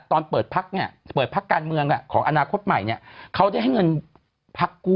ตอนเปิดพักเนี่ยเปิดพักการเมืองของอนาคตใหม่เนี่ยเขาได้ให้เงินพักกู้